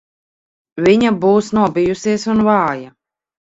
Viņa būs nobijusies un vāja.